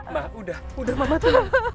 ma udah udah mama tuh